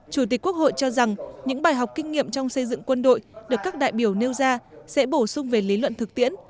chủ tịch quốc hội cho rằng những bài học kinh nghiệm trong xây dựng quân đội được các đại biểu nêu ra sẽ bổ sung về lý luận thực tiễn